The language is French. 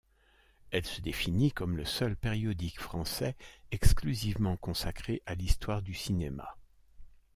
Elle se définit comme le seul périodique français exclusivement consacré à l'histoire du cinéma.